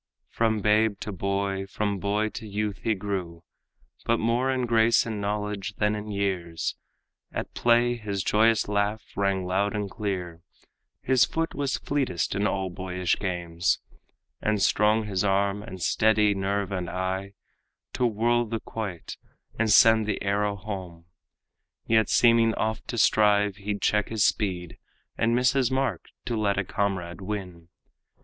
From babe to boy, from boy to youth he grew, But more in grace and knowledge than in years. At play his joyous laugh rang loud and clear, His foot was fleetest in all boyish games, And strong his arm, and steady nerve and eye, To whirl the quoit and send the arrow home; Yet seeming oft to strive, he'd check his speed And miss his mark to let a comrade win.